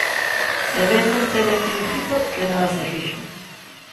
E vén vostede aquí dicindo que nada se fixo.